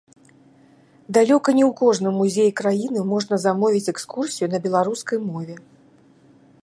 Далёка не ў кожным музеі краіны можна замовіць экскурсію на беларускай мове.